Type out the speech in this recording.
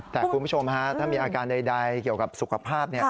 แต่คุณผู้ชมถ้ามีอาการใดเกี่ยวกับสุขภาพ